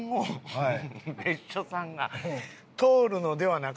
はい。